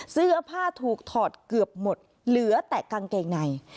เสื้อผ้าถูกถอดเกือบหมดเหลือแต่กางเกงใน